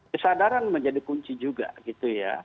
kesadaran menjadi kunci juga gitu ya